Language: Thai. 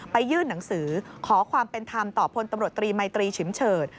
ยื่นหนังสือขอความเป็นธรรมต่อพลตำรวจตรีมัยตรีฉิมเฉิด